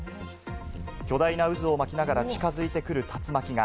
巨大な渦を巻きながら近づいてくる竜巻が。